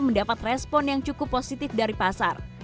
mendapat respon yang cukup positif dari pasar